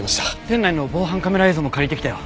店内の防犯カメラ映像も借りてきたよ。